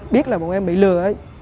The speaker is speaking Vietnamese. biết là bọn em bị lừa ấy